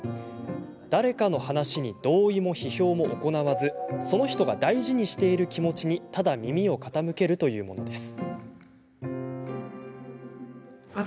誰かの話に同意も批評も行わずその人が大事にしている気持ちにただ耳を傾けるというものです。